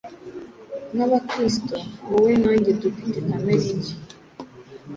Nkabakristo, wowe na njye dufite kamere nshya,